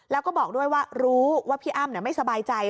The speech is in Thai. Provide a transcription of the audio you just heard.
แล้วก็บอกด้วยว่ารู้ว่าพี่อ้ำไม่สบายใจ